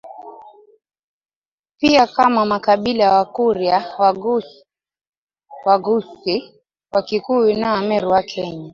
Pia kama makabila Wakurya Waghusii Wakikuyu na Wameru wa Kenya